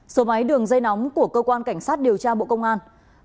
số máy đường dây nóng của cơ quan cảnh sát điều tra bộ công an